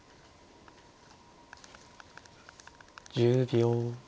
１０秒。